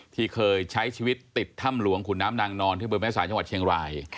ที่เคยใช้ชีวิตติดถ้ำหลวงขุนน้ำนางนอนที่เบอร์แม่สายจังหวัดเชียงราย